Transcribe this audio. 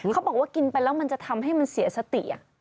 เขาบอกว่ากินไปแล้วมันจะทำให้มันเสียสติ